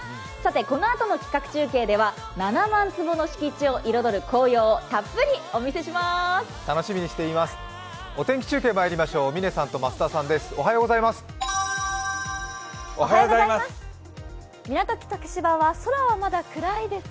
このあとの企画中継では、７万坪の敷地を彩る紅葉、たっぷりお見せします。